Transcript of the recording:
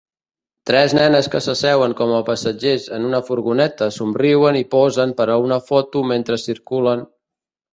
Tres nenes que s'asseuen com a passatgers en una furgoneta somriuen i posen per a una foto mentre circulen